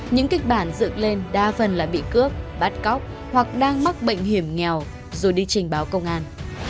những kịch bản dựng lên đa phần là bị cướp bắt cóc hoặc đang mắc bệnh hiểm nghèo rồi đi trình báo công an